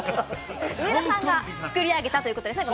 上田さんが作り上げたということですね。